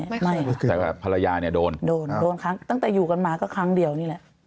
ไม่ไม่แต่ภรรยาเนี่ยโดนโดนโดนโดนครั้งตั้งแต่อยู่กันมาก็ครั้งเดียวนี่แหละ